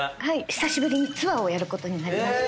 久しぶりにツアーをやることになりまして。